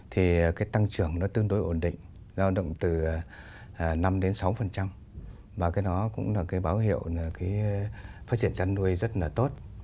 thì cái tăng trưởng nó tương đối ổn định giao động từ năm đến sáu và cái đó cũng là cái báo hiệu là cái phát triển chăn nuôi rất là tốt